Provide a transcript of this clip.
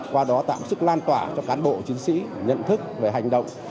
qua đó tạo sức lan tỏa cho cán bộ chiến sĩ nhận thức về hành động